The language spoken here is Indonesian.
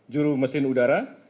juru mesin udara